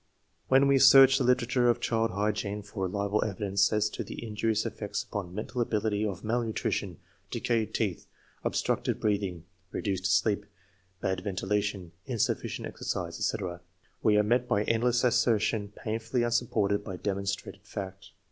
When we search the literature of child hygiene for reliable evidence as to the injurious effects upon mental ability of malnutrition, decayed teeth, obstructed breath ing, reduced sleep, bad ventilation, insufficient exercise, etc., we are met by endless assertion painfully unsup ported by demonstrated fact.